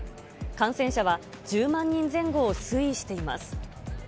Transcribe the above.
感染者は１０万人前後を推移しています。